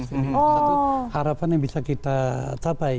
satu harapan yang bisa kita capai